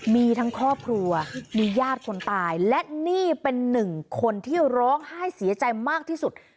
มีทั้งครอบครัวมีญาติคนตายและนี่เป็นหนึ่งคนที่ร้องไห้เสียใจมากที่สุด